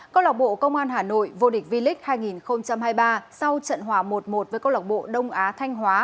công lọc bộ công an hà nội vô địch v lic hai nghìn hai mươi ba sau trận hòa một một với công lọc bộ đông á thanh hóa